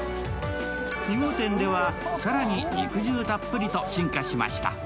２号店では更に肉汁たっぷりと進化しました。